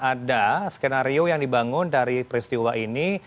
ada skenario yang dibangun dari peristiwa ini